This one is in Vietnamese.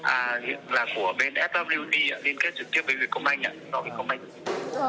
à là của bên fwc ạ liên kết trực tiếp với người công anh ạ đó là người công anh